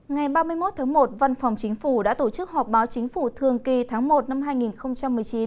ngày ba mươi một tháng một văn phòng chính phủ đã tổ chức họp báo chính phủ thường kỳ tháng một năm hai nghìn một mươi chín